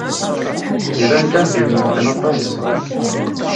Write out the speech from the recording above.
Iban kan tejjmemt-ten aṭas.